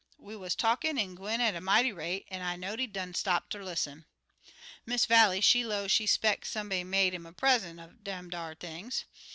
We wuz talkin' an' gwine on at a mighty rate, an' I know'd he done stop ter lis'n. "Miss Vallie, she low she 'speck somebody made 'im a present er dem ar things.